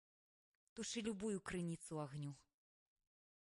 Тушы любую крыніцу агню.